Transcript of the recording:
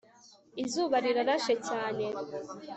izuba rirashe cyane